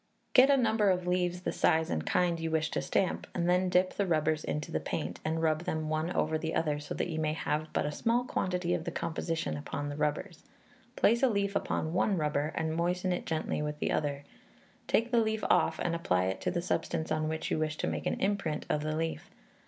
Get a number of leaves the size and kind you wish to stamp, then dip the rubbers into the paint, and rub them one over the other, so that you may have but a small quantity of the composition upon the rubbers; place a leaf upon one rubber and moisten it gently with the other; take the leaf off and apply it to the substance on which you wish to make an imprint of the leaf.